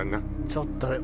ちょっと。